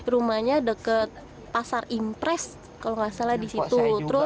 rumahnya deket pasar impres kalau nggak salah di situ